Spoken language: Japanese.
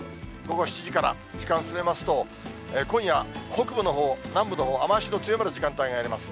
午後７時から時間進めますと、今夜、北部のほう、南部のほう、雨足の強まる時間帯があります。